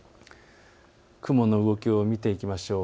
雲の動きを見ていきましょう。